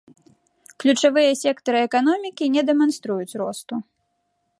Ключавыя сектары эканомікі не дэманструюць росту.